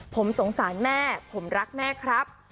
ผมสงสารแม่ผมรักแม่ครับ